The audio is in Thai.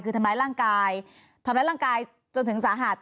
คือทำร้ายร่างกายทำร้ายร่างกายจนถึงสาหัส